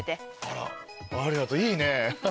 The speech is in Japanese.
あらありがとういいね。